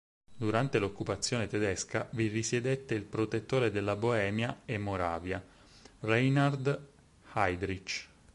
Durante l'occupazione tedesca vi risiedette il Protettore della Boemia e Moravia Reinhard Heydrich.